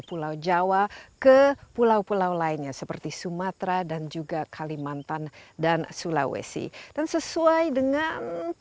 pulau jawa ke pulau pulau lainnya seperti sumatera dan juga kalimantan dan sulawesi dan sesuai dengan